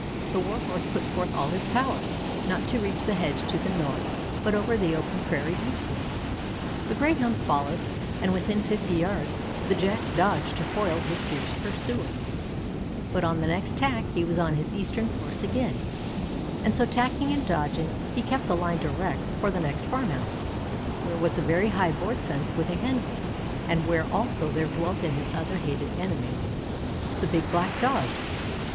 The Warhorse put forth all his power, not to reach the hedge to the north, but over the open prairie eastward. The Greyhound followed, and within fifty yards the Jack dodged to foil his fierce pursuer; but on the next tack he was on his eastern course again, and so tacking and dodging, he kept the line direct for the next farm house, where was a very high board fence with a hen hole, and where also there dwelt his other hated enemy, the big black Dog.